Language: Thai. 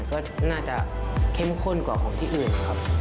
ก็น่าจะเข้มข้นกว่าของที่อื่นนะครับ